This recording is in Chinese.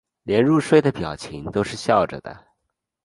连入睡的表情都是笑着的